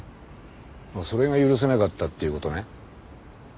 それが許せなかったっていう事ね？